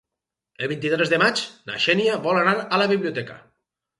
El vint-i-tres de maig na Xènia vol anar a la biblioteca.